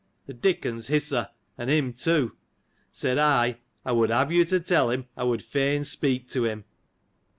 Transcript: (The Dickons hiss her, and him too !) Said I, I would have you to tell him, I would fain speak to him.